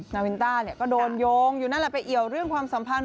นาวินต้าก็โดนโยงอยู่นั่นแหละไปเอี่ยวเรื่องความสัมพันธ